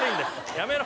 やめろ